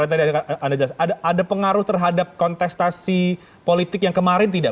ada pengaruh terhadap kontestasi politik yang kemarin tidak